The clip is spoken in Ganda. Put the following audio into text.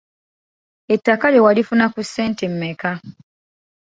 Ettaka lyo walifuna ku ssente mmeka?